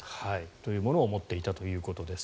というものを持っていたということです。